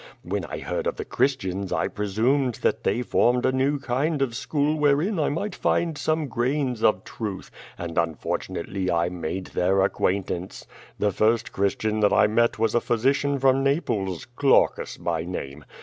Wlien I heard of the Christians I presumed that they formed a kind of new school wherein I might find some grains of truth, and unfortunately I made their acquaintance. The first Christian that I met was a physician from Naples, Glaucus by name.